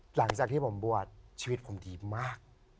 หลังจากที่ผมบวชชีวิตผมดีมาก